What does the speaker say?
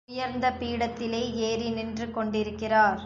உயர்ந்த பீடத்திலே ஏறி நின்று கொண்டிருக்கிறார்.